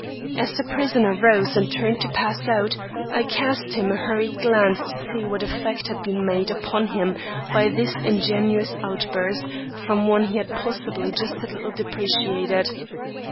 As the prisoner rose and turned to pass out, I cast him a hurried glance to see what effect had been made upon him by this ingenuous outburst from one he had possibly just a little depreciated.